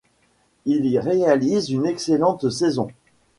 Il y réalise une excellente saison.